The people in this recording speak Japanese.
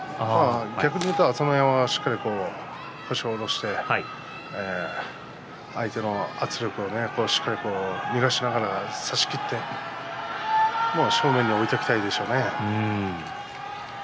逆に言えば朝乃山はしっかり腰を下ろして相手の圧力をしっかり逃がしながら差しきって正面に置いておきたいでしょうね。